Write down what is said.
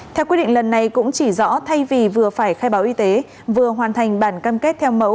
theo quyết định lần này cũng chỉ rõ thay vì vừa phải khai báo y tế vừa hoàn thành bản cam kết theo mẫu